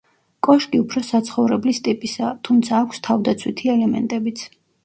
კოშკი უფრო საცხოვრებლის ტიპისაა, თუმცა აქვს თავდაცვითი ელემენტებიც.